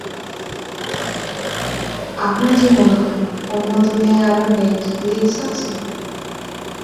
আপনার কি মনে হয় অন্য দুনিয়ায় আরো নেড লিডস আছে?